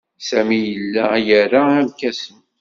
Sami yella ira irkasen.